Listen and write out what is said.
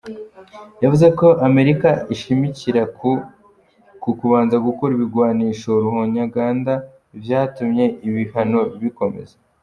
Yavuze ko Amerika ishimikira ku "kubanza gukura ibigwanisho ruhonyanganda" vyatumye "ibihano bikomezwa".